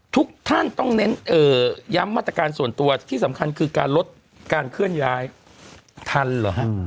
ทุกท่านต้องเน้นย้ำมาตรการส่วนตัวที่สำคัญคือการลดการเคลื่อนย้ายทันเหรอฮะ